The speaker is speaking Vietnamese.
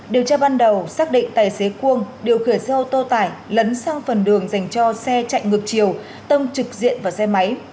điều tra ban đầu xác định tài xế cuông điều khiển xe ô tô tải lấn sang phần đường dành cho xe chạy ngược chiều tông trực diện vào xe máy